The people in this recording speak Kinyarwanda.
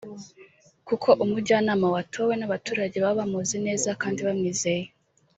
kuko umujyanama watowe n’abaturage baba bamuzi neza kandi bamwizeye